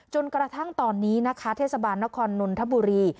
จนกระทั่งตอนนี้นะคะเทศบาลนครนนทบุรี